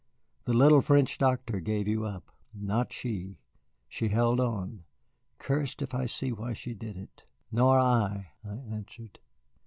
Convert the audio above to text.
The little French doctor gave you up not she. She held on. Cursed if I see why she did it." "Nor I," I answered.